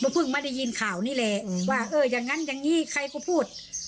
เพิ่งมาได้ยินข่าวนี่แหละว่าเอออย่างนั้นอย่างนี้ใครก็พูด